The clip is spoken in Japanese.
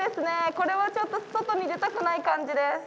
これはちょっと外に出たくない感じです。